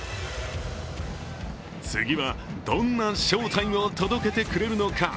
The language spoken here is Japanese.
次は、どんな翔タイムを届けてくれるのか。